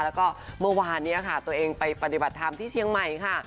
แล้วก็เมื่อวานนี้ค่ะตัวเองไปปฏิบัติธรรมที่เชียงใหม่ค่ะ